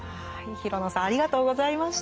廣野さんありがとうございました。